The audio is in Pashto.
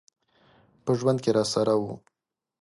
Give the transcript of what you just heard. په ژوند کي راسره و .